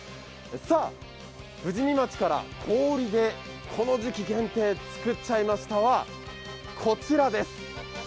さあ、富士見町から氷でこの時期限定、作っちゃいましたは、こちらです。